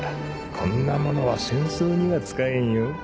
こんなものは戦争には使えんよ。